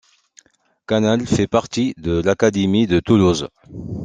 Canals fait partie de l'académie de Toulouse.